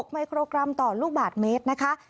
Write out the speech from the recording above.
ไมโครกรัมต่อลูกบาทเมตรนะคะ